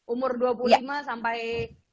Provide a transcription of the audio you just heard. umur dua puluh lima sampai